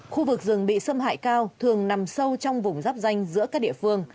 khu vực rừng bị xâm hại cao thường nằm sâu trong vùng giáp danh giữa các địa phương